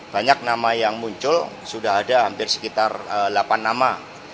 banyak nama yang muncul sudah ada hampir sekitar delapan nama